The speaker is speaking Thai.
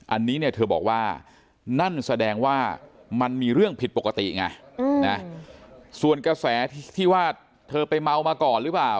อันนี้เนี่ยเธอบอกว่านั่นแสดงว่ามันมีเรื่องผิดปกติไงนะส่วนกระแสที่ว่าเธอไปเมามาก่อนหรือเปล่า